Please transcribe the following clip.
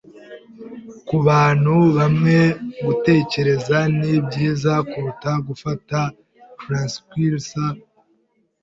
Kubantu bamwe, gutekereza ni byiza kuruta gufata tranquilisers. (caspian)